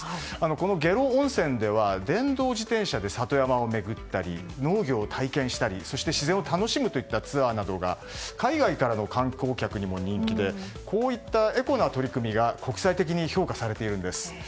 この下呂温泉では電動自転車で里山を巡ったり農業を体験したり自然を楽しむといったツアーなどが海外からの観光客にも人気でこうしたエコな取り組みが国際的に評価されているんです。